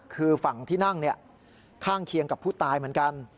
คือฝั่งที่นั่งข้างเคียงกับผู้ตายเหมือนกัน